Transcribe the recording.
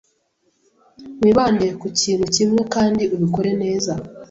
Wibande ku kintu kimwe kandi ubikore neza.